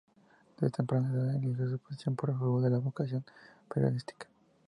Desde temprana edad ligó su pasión por el fútbol con la vocación periodística.